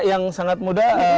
yang sangat mudah